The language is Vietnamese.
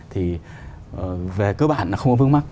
thì về cơ bản nó không có vương mắc